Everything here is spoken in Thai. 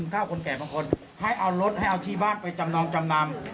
เท่าคนแก่บางคนให้เอารถให้เอาที่บ้านไปจำนองจำนำ